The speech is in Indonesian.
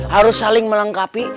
harus saling melengkapi